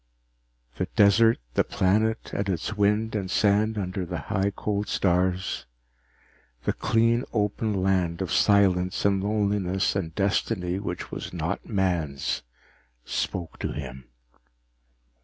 The desert, the planet and its wind and sand under the high cold stars, the clean open land of silence and loneliness and a destiny which was not man's, spoke to him.